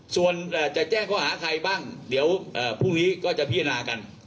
ส่วนจะแจ้งข้อหาใครบ้างเดี๋ยวพรุ่งนี้ก็จะพิจารณากัน